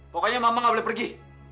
pokoknya mama gak boleh pergi